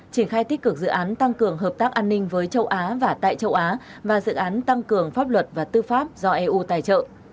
triển khai tích cực dự án tăng cường hợp tác an ninh với châu á và tại châu á và dự án tăng cường pháp luật và tư pháp do eu tài trợ